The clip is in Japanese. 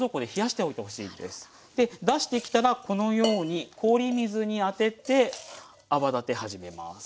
で出してきたらこのように氷水にあてて泡立て始めます。